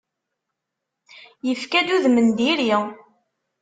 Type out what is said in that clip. Yefka-d udem n diri.